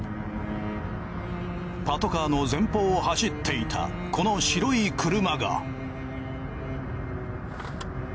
パトカーの前方を走っていたこの白い車が。